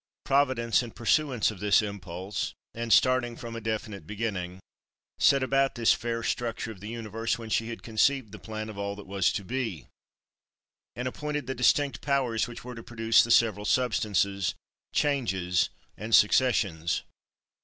Providence, in pursuance of this impulse, and starting from a definite beginning, set about this fair structure of the universe when she had conceived the plan of all that was to be, and appointed the distinct powers which were to produce the several substances, changes, and successions.